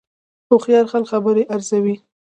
هوښیار خلک خبرې ارزوي